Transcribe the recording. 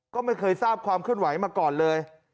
ก็ไม่เคยทราบความเคลื่อนไหวมาก่อนเลย